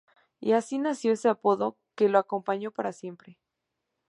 Y así nació ese apodo que lo acompañó para siempre.